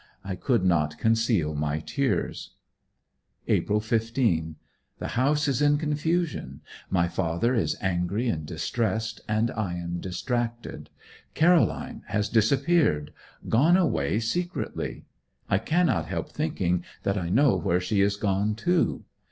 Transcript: I could not conceal my tears. April 15. The house is in confusion; my father is angry and distressed, and I am distracted. Caroline has disappeared gone away secretly. I cannot help thinking that I know where she is gone to.